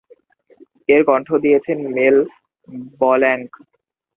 এর কন্ঠ দিয়েছেন mail blank.